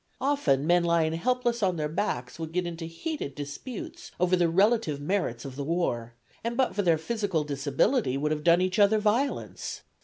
Often men lying helpless on their backs would get into heated disputes over the relative merits of the war, and but for their physical disability would have done each other violence.